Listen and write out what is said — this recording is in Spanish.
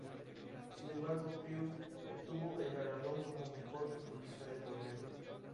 Sin embargo, Cruyff obtuvo el galardón como mejor futbolista del torneo.